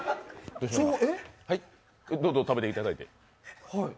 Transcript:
どうぞ食べていただいて。